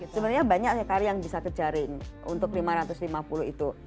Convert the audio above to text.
sebenarnya banyak sekali yang bisa kejaring untuk lima ratus lima puluh itu